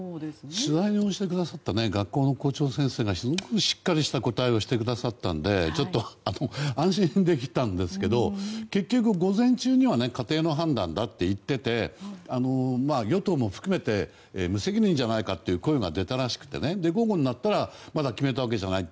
取材をしてくださった学校の校長先生がすごくしっかりした答えをしてくださったのでちょっと安心できたんですけど結局、午前中には家庭の判断だと言ってて与党も含めて無責任じゃないかという声が出たらしくて午後になったらまだ決めたわけじゃないと。